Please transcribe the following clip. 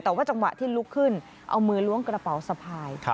แต่ว่าจังหวะที่ลุกขึ้นเอามือล้วงกระเป๋าสะพาย